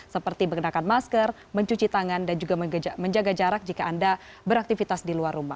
seperti menggunakan masker mencuci tangan dan juga menjaga jarak jika anda beraktivitas di luar rumah